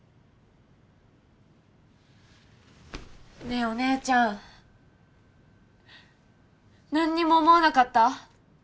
ねえお姉ちゃんなんにも思わなかった？